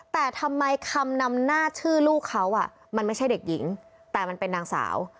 แต่ทำไมคำนำหน้าชื่อลูกเขาอ่ะมันไม่ใช่เด็กหญิงแต่มันเป็นนางสาว